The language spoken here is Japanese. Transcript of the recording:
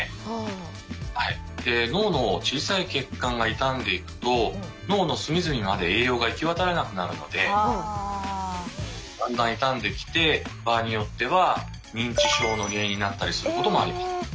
脳の小さい血管が傷んでいくと脳の隅々まで栄養が行き渡らなくなるのでだんだん傷んできて場合によっては認知症の原因になったりすることもあります。